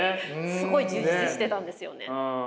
すごい充実してたんですよね。